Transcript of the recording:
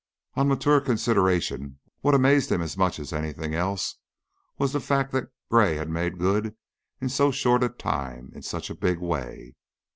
On mature consideration, what amazed him as much as anything else was the fact that Gray had made good in so short a time and in such a big way.